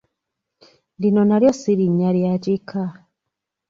Lino nalyo si linnya lya kika.